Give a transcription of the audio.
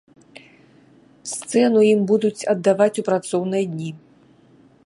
Сцэну ім будуць аддаваць у працоўныя дні!